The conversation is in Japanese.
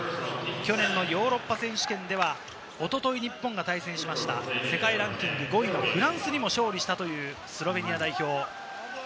去年のヨーロッパ選手権ではおととい日本が対戦した世界ランキング５位のフランスにも勝利したスロベニア代表。